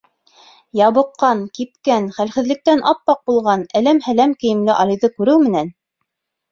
Ябыҡҡан-кипкән, хәлһеҙлектән ап-аҡ булған, әләм-һәләм кейемле Алиҙы күреү менән: